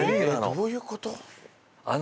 どういうこと？